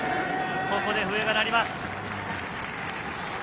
ここで笛が鳴ります。